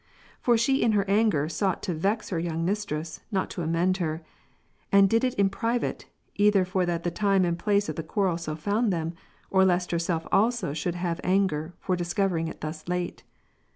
For she in her anger sought to vex her young mistress, not to amend her ; and did it in private, either for that the time and place of the quarrel so found them ; or lest herself also should have anger, for discovering it thus late.